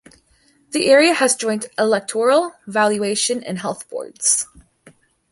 The area has joint electoral, valuation and health boards.